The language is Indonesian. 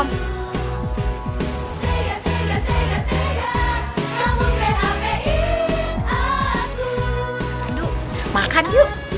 pandu makan yuk